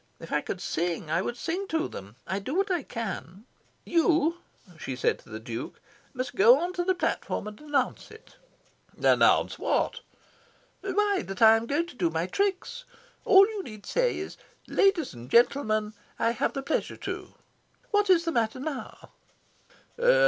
If I could sing, I would sing to them. I do what I can. You," she said to the Duke, "must go on to the platform and announce it." "Announce what?" "Why, that I am going to do my tricks! All you need say is 'Ladies and gentlemen, I have the pleasure to ' What is the matter now?"